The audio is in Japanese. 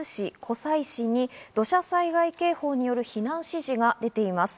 静岡県浜松市、湖西市に土砂災害警報による避難指示が出ています。